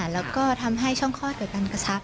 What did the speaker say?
แล้วก็ทำให้ช่องคลอดเกิดการกระชับ